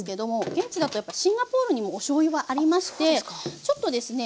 現地だとやっぱシンガポールにもおしょうゆはありましてちょっとですね